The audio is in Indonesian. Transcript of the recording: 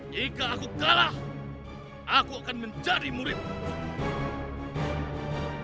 jika aku kalah aku akan menjadi murid